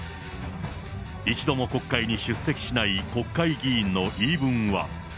一度も国会に出席しない国会議員の言い分は。